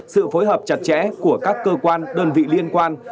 sự phối hợp chặt chẽ của các cơ quan đơn vị liên quan